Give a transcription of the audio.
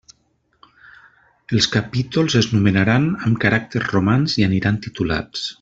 Els capítols es numeraran amb caràcters romans i aniran titulats.